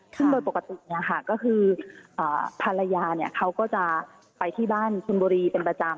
ซึ่งโดยปกติเนี่ยค่ะก็คือพลายาเนี่ยเขาก็จะไปที่บ้านชนบรีเป็นประจำ